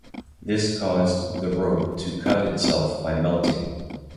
This caused the rope to cut itself by melting.